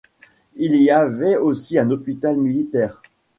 Il y avait aussi un hôpital militaire.